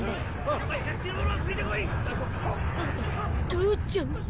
父ちゃん？